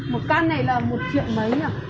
một can này là một triệu mấy ạ